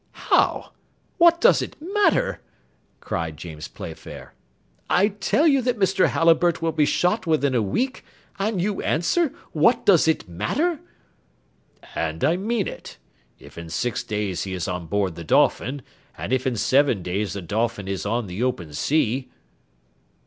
"How! what does it matter?" cried James Playfair. "I tell you that Mr. Halliburtt will be shot within a week, and you answer, what does it matter?" "And I mean it if in six days he is on board the Dolphin, and if in seven days the Dolphin is on the open sea."